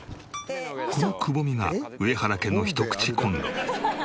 このくぼみが上原家の１口コンロ。